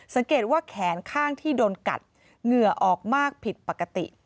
สังเกตว่าแขนข้างที่โดนกัดเหงื่อออกมากผิดปกติ